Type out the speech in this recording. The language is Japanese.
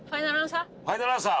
ファイナルアンサー？